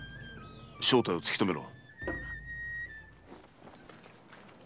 正体を突き止めろ。